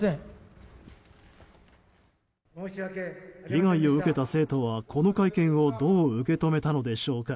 被害を受けた生徒はこの会見をどう受け止めたのでしょうか。